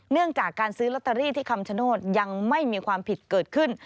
เนื่องจากการซื้อลอตเตอรี่ที่คำชโนธยังไม่มีความผิดเกิดขึ้น